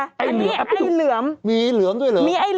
อันนี้ไอ้เหลือมมีเหลือมด้วยหรือ